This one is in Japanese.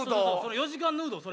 ４時間ヌードそれ。